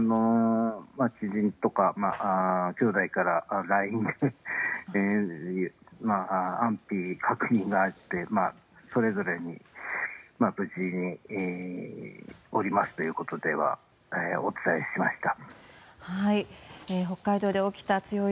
知人とか、兄弟からＬＩＮＥで安否確認があってそれぞれに無事におりますということをお伝えしました。